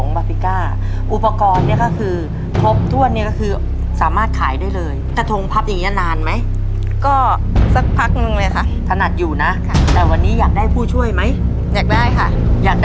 นี่เซเว่นช่วยทำอะไรได้บ้างลูก